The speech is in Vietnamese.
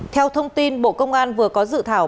theo thông tin bộ công an vừa có dự thảo